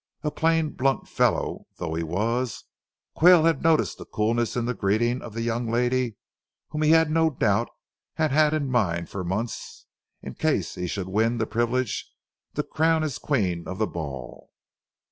A plain, blunt fellow though he was, Quayle had noticed the coolness in the greeting of the young lady whom he no doubt had had in mind for months, in case he should win the privilege, to crown as Queen of the ball.